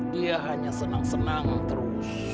dia hanya senang senang terus